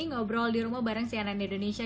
ngobrol di rumah bareng cnn indonesia